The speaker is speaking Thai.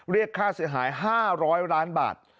เรียกค่าเสียหาย๕๐๐ล้านบาท